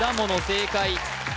正解